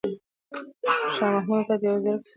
شاه محمود هوتک د يو ځيرک سياستوال په توګه وپېژندل شو.